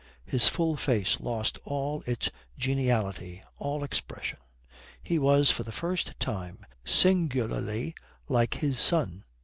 His full face lost all its geniality, all expression. He was for the first time singularly like his son.